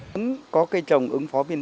chúng có cây trồng ứng phó viên